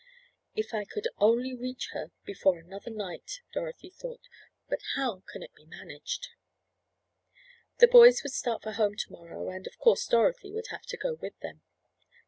"If I could only reach her before another night," Dorothy thought, "but how can it be managed?" The boys would start for home to morrow, and of course Dorothy would have to go with them.